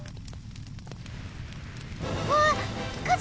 うわっ火事！